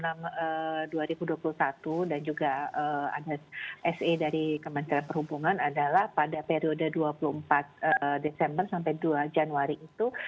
yang sudah kita lakukan dalam dua ribu dua puluh satu dan juga ada se dari kementerian perhubungan adalah pada periode dua puluh empat desember sampai dua januari itu